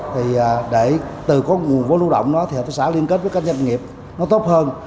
thì để từ có nguồn vốn lưu động đó thì hợp tác xã liên kết với các doanh nghiệp nó tốt hơn